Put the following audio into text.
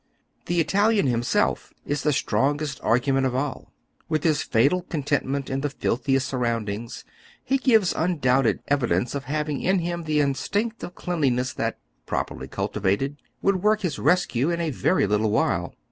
The Italian himself is the strongest argument of all. With his fatal con tentment in the filthiest surroundings, he gives undonbted evidence of having in him the instinct of cleanliness that, properly cultivated, would work liis rescue in a very little while.